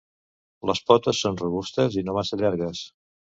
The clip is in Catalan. Les potes són robustes i no massa llargues.